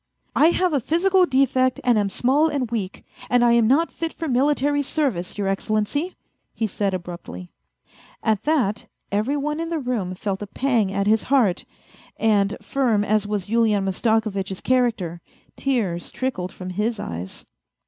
"I have a physical defect and am small and weak, and I am not fit for military service, Your Excellency," he said abruptly. At that every one in the room felt a pang at his heart, and firm as was Yulian Mastakovitch 's character, tears trickled from his eyes.